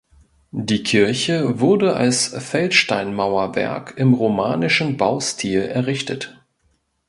Die Kirche wurde aus Feldsteinmauerwerk im romanischen Baustil errichtet.